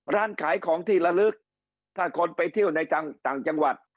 ร้านขายของที่ละลึกถ้าคนไปเที่ยวในต่างจังหวัด